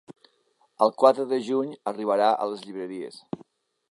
El quatre de juny arribarà a les llibreries.